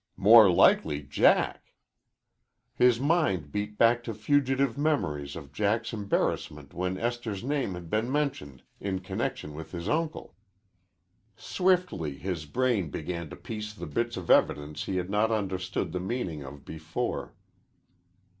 "More likely Jack." His mind beat back to fugitive memories of Jack's embarrassment when Esther's name had been mentioned in connection with his uncle. Swiftly his brain began to piece the bits of evidence he had not understood the meaning of before.